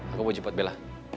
aku mau jemput bella